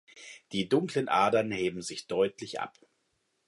Die dunklen Adern heben sich deutlich ab.